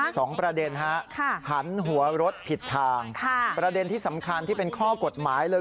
สองประเด็นฮะค่ะหันหัวรถผิดทางค่ะประเด็นที่สำคัญที่เป็นข้อกฎหมายเลย